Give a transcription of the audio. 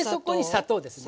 砂糖ですね。